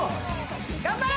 頑張れ！